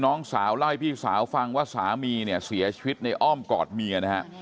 น้องสาวเล่าให้พี่สาวฟังว่าสามีเนี่ยเสียชีวิตในอ้อมกอดเมียนะฮะ